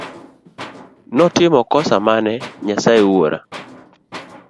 Notimo kosa mane Nyasaye Wuora.